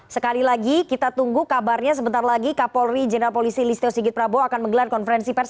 sekali lagi kita tunggu kabarnya sebentar lagi kapolri jenderal polisi listio sigit prabowo akan menggelar konferensi pers